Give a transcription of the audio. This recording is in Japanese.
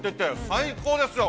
最高ですよ。